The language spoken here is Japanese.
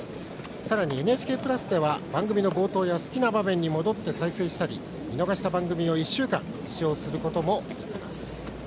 さらに「ＮＨＫプラス」では番組の冒頭や好きな場面に戻って再生したり見逃した番組を１週間視聴することもできます。